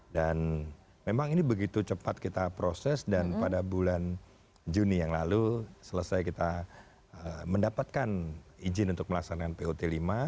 dan memang ini begitu cepat kita proses dan pada bulan juni yang lalu selesai kita mendapatkan izin untuk melaksanakan put lima